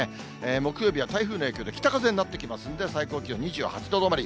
木曜日は台風の影響で北風になってきますんで、最高気温２８度止まり。